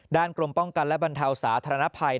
กรมป้องกันและบรรเทาสาธารณภัย